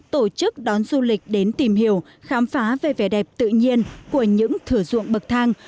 tổ chức đón du lịch đến tìm hiểu khám phá về vẻ đẹp tự nhiên của những thửa ruộng bậc thang